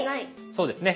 そうですね